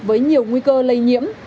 với nhiều nguy cơ lây nhiễm